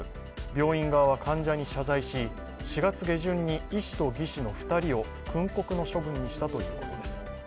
病院側は患者に謝罪し４月下旬に、医師と技士の２人を訓告の処分にしたということです。